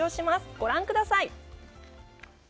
ご覧ください！